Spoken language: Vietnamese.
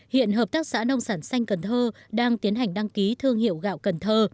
hiện hợp tác xã nông sản xanh cần thơ đang tiến hành đăng ký thương hiệu gạo cần thơ